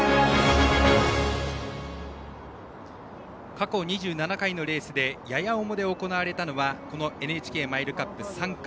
過去２７回のレースでやや重で行われたのはこのＮＨＫマイルカップ、３回。